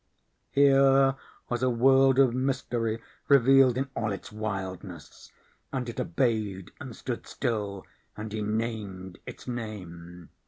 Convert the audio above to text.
Here was a world of mystery revealed in all its wildness, and it obeyed and stood still, and he named its name.